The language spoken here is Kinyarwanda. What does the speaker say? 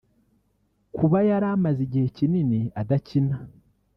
Kuba yari amaze igihe kinini adakina